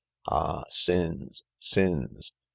Ah, sins, sins!